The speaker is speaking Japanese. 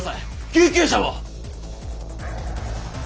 救急車も！